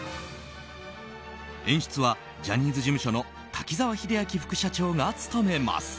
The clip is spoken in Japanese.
演出はジャニーズ事務所の滝沢秀明副社長が務めます。